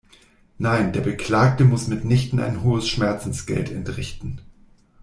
Nein, der Beklagte muss mitnichten ein hohes Schmerzensgeld entrichten.